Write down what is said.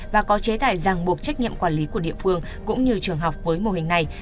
và có chế tài ràng buộc trách nhiệm quản lý của địa phương cũng như trường học với mô hình này